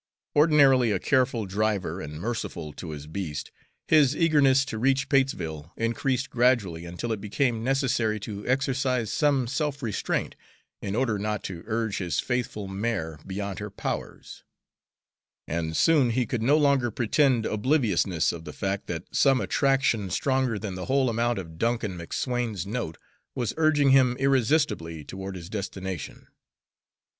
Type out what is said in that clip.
Ordinarily a careful driver and merciful to his beast, his eagerness to reach Patesville increased gradually until it became necessary to exercise some self restraint in order not to urge his faithful mare beyond her powers; and soon he could no longer pretend obliviousness of the fact that some attraction stronger than the whole amount of Duncan McSwayne's note was urging him irresistibly toward his destination.